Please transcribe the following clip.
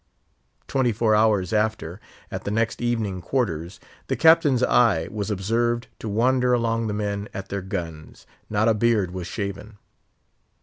Twenty four hours after—at the next evening quarters—the Captain's eye was observed to wander along the men at their guns—not a beard was shaven!